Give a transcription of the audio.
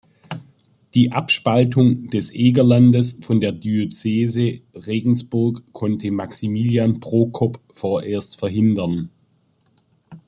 Die Abspaltung des Egerlandes von der Diözese Regensburg konnte Maximilian Prokop vorerst verhindern.